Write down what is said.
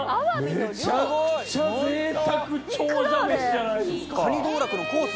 めちゃくちゃぜいたく長者飯じゃないですか。